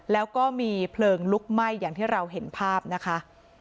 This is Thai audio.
แล้วก็มีเพลิงลุกไหม้อย่างที่เราเห็นภาพนะคะ